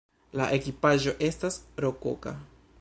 La ekipaĵo estas rokoka.